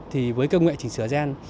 thì với công nghệ chỉnh sửa ren